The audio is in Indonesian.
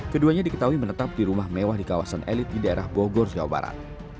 keduanya diketahui menetap di rumah mewah di kawasan elit di daerah bogor jawa barat